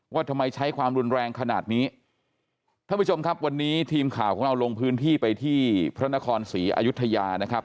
ว่าทำไมใช้ความรุนแรงขนาดนี้ท่านผู้ชมครับวันนี้ทีมข่าวของเราลงพื้นที่ไปที่พระนครศรีอายุทยานะครับ